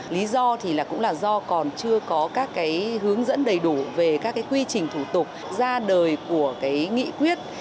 lý do thì cũng là do còn chưa có các hướng dẫn đầy đủ về các quy trình thủ tục ra đời của cái nghị quyết